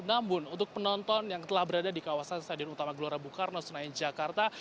namun untuk penonton yang telah berada di kawasan stadion utama gelora bung karno senayan jakarta